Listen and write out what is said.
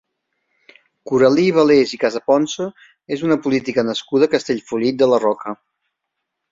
Coralí Balés i Casaponsa és una política nascuda a Castellfollit de la Roca.